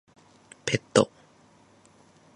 ペット